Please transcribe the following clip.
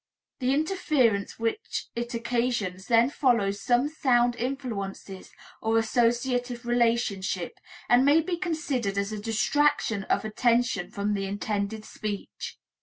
The interference which it occasions then follows some sound influences or associative relationship, and may be considered as a distraction of attention from the intended speech.